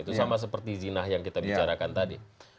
itu sama seperti zinah yang kita bicarakan tadi